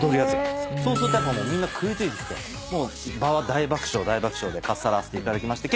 そうするとみんな食い付いてきて場は大爆笑大爆笑でかっさらわせていただきまして。